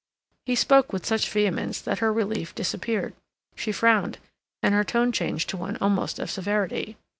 He spoke with such vehemence that her relief disappeared; she frowned; and her tone changed to one almost of severity.